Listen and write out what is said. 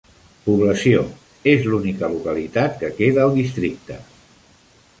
Població: és l'única localitat que queda al districte.